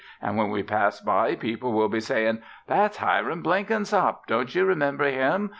An' when we pass by, people will be sayin': 'That's Hiram Blenkinsop! Don't you remember him?